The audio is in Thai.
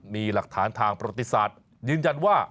มีหลักฐานทางประวัติศาสตร์ยืนยันว่า